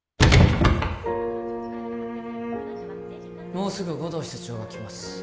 もうすぐ護道室長が来ます